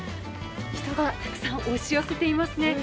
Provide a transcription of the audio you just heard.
人がたくさん押し寄せていますね。